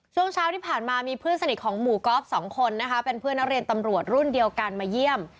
ช่วงเช้าที่ผ่านมามีเพื่อนสนิทของหมู่ก๊อฟสองคนนะคะเป็นเพื่อนนักเรียนตำรวจรุ่นเดียวกันมาเยี่ยม